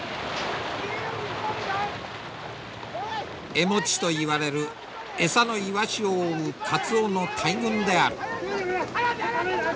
エモチといわれる餌のイワシを追うカツオの大群である。